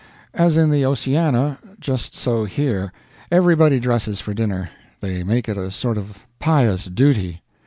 As in the 'Oceana', just so here: everybody dresses for dinner; they make it a sort of pious duty.